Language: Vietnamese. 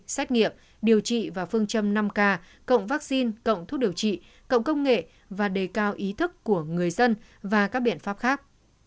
xét nghiệm điều trị và phương châm năm k cộng vaccine cộng thuốc điều trị cộng công nghệ và đề cao ý thức của người dân và các biện pháp khác